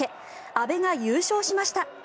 阿部が優勝しました。